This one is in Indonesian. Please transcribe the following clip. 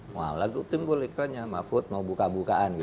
wah lagu timbul iklannya mahfud mau buka bukaan gitu